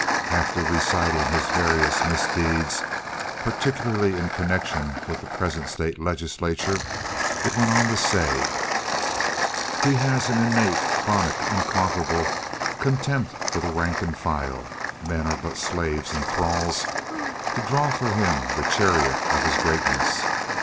After reciting his various misdeeds, particularly in connection with the present state legislature, it went on to say: "He has an innate, chronic, unconquerable contempt for the rank and file. Men are but slaves and thralls to draw for him the chariot of his greatness.